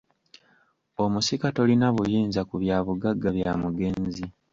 Omusika tolina buyinza ku byabugagga bya mugenzi.